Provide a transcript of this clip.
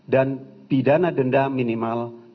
dan pidana denda minimal